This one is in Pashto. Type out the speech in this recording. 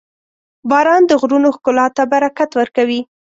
• باران د غرونو ښکلا ته برکت ورکوي.